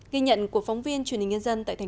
ghi nhận của phóng viên truyền hình nhân dân tại tp hcm